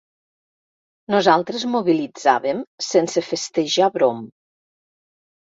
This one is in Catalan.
Nosaltres mobilitzàvem sense festejar brom.